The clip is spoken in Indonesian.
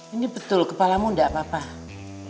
ini betul kepalamu tidak apa apa